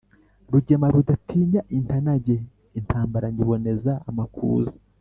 Rugema rudatinya intanage intambara nyiboneza amakuza